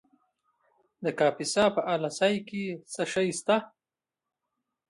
د کاپیسا په اله سای کې څه شی شته؟